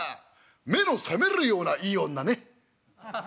目の覚めるようないい女ね」。